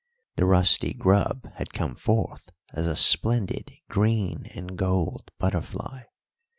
The rusty grub had come forth as a splendid green and gold butterfly.